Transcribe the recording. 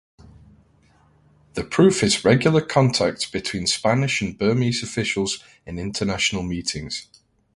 The proof is regular contacts between Spanish and Burmese officials in international meetings.